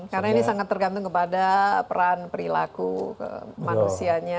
karena ini sangat tergantung kepada peran perilaku kebiasaannya dan lain sebagainya